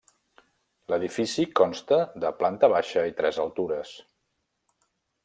L'edifici consta de planta baixa i tres altures.